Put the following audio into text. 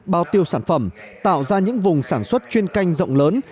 bao tiêu sản phẩm tạo ra những vùng sản xuất chuyên canh rộng lớn